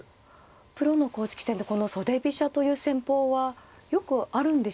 プロの公式戦でこの袖飛車という戦法はよくあるんでしょうか。